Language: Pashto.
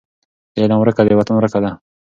د علم ورکه د وطن ورکه ده.